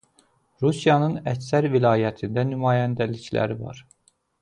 Rusiyanın əksər vilayətində nümayəndəlikləri var.